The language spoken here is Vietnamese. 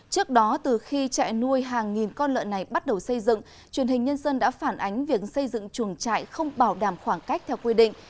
trước đó từ khi trại nuôi hàng nghìn con lợn này bắt đầu xây dựng truyền hình nhân dân đã phản ánh việc xây dựng chuồng trại không bảo đảm khoảng cách theo quy định